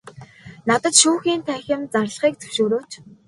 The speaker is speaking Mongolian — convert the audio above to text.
Надад шүүхийн танхим зарлахыг зөвшөөрөөч.